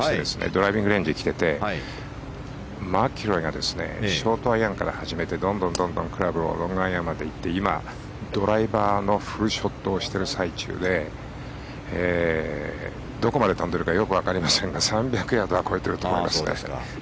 ドライビングレンジに来ててマキロイがショートアイアンから始めてどんどんクラブをロングアイアンまでいって今、ドライバーのフルショットをしている最中でどこまで飛んでるかよく分かりませんが３００ヤードは超えてると思いますね。